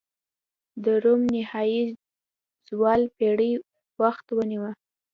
د روم نهايي زوال پېړۍ وخت ونیوه.